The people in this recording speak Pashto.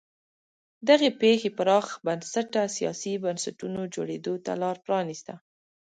دغې پېښې پراخ بنسټه سیاسي بنسټونو جوړېدو ته لار پرانیسته.